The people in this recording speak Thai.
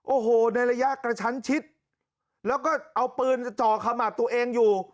โอ้โหในระยะกระชั้นชิดแล้วก็เอาปืนจ่อขมับตัวเองอยู่